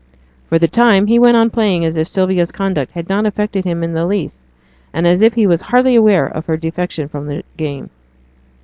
For the time he went on playing as if Sylvia's conduct had not affected him in the least, and as if he was hardly aware of her defection from the game.